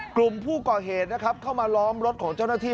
กลุ่มผู้ก่อเหตุนะครับเข้ามาล้อมรถของเจ้าหน้าที่